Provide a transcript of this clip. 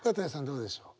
どうでしょう？